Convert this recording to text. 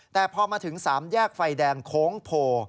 แต่พอมาถึง๓แยกไฟแดงโค้งโพ